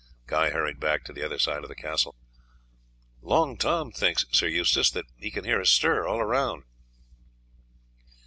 Guy hurried back to the other side of the castle. "Long Tom thinks, Sir Eustace, that he can hear a stir all round."